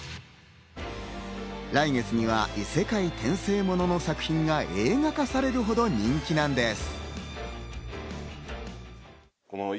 来月には異世界転生モノの作品が映画化されるほど人気なんです。